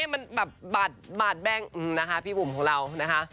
มันแบบบาดแบ้งนะคะพี่บุ๋มของเรานะคะ